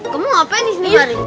kamu ngapain disini hari